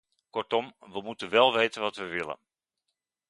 Kortom: we moeten wel weten wat we willen.